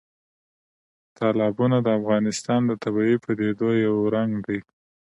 تالابونه د افغانستان د طبیعي پدیدو یو رنګ دی.